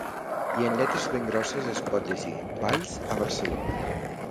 I en lletres ben grosses es pot llegir: Valls a Barcelona.